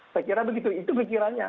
saya kira begitu itu pikirannya